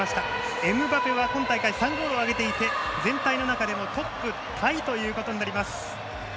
エムバペは今大会３ゴールを挙げていて全体の中でもトップタイとなります。